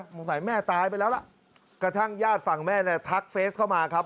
สงสัยแม่ตายไปแล้วล่ะกระทั่งญาติฝั่งแม่เนี่ยทักเฟสเข้ามาครับ